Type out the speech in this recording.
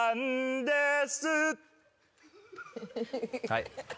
はい。